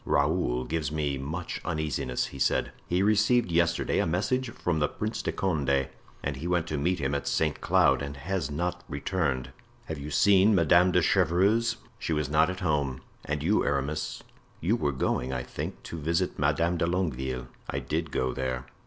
"Raoul gives me much uneasiness," he said. "He received yesterday a message from the Prince de Condé; he went to meet him at Saint Cloud and has not returned." "Have you seen Madame de Chevreuse?" "She was not at home. And you, Aramis, you were going, I think, to visit Madame de Longueville." "I did go there."